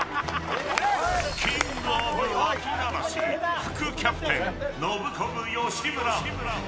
キングオブワキ鳴らし副キャプテン、ノブコブ吉村。